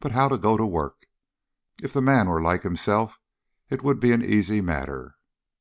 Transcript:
But how to go to work? If the man were like himself it would be an easy matter.